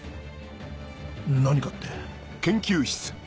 「何か」って？